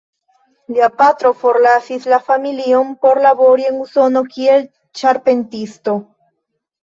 Lia patro forlasis la familion por labori en Usono kiel ĉarpentisto.